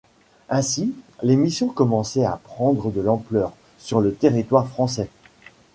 Ainsi, l'émission commençait à prendre de l'ampleur sur le territoire français.